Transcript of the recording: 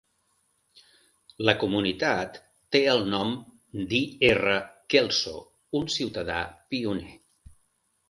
La comunitat té el nom d'I. R. Kelso, un ciutadà pioner.